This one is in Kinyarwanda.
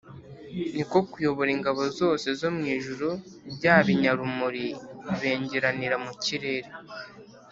ni ko kuyobora ingabo zose zo mu ijuru, bya binyarumuri bibengeranira mu kirere.